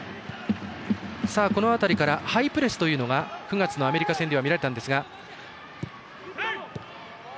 ハイプレスというのが９月のアメリカ戦では見られたんですが。